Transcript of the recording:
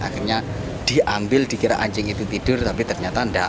akhirnya diambil dikira anjing itu tidur tapi ternyata enggak